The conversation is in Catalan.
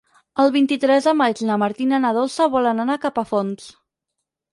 El vint-i-tres de maig na Martina i na Dolça volen anar a Capafonts.